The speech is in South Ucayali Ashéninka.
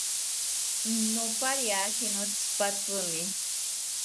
Nopariaki notzipatzimi